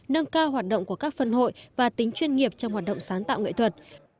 nâng cao hoạt động của các phân hội và tính chuyên nghiệp trong hoạt động sáng tạo nghệ thuật